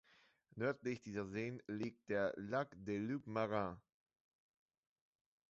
Nördlich dieser Seen liegt der Lacs des Loups Marins.